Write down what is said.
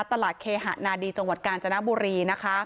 ตลาดเคหะนาดีจังหวัดกาญจนบุรีนะคะ